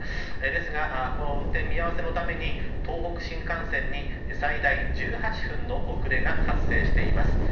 ですがこの運転見合わせのために東北新幹線に最大１８分の遅れが発生しています。